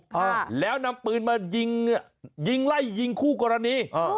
ค่ะแล้วนำปืนมายิงยิงไล่ยิงคู่กรณีอ๋อ